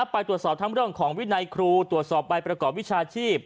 ไปตรวจสอบทั้งเรื่องของวินัยครูตรวจสอบใบประกอบวิชาชีพ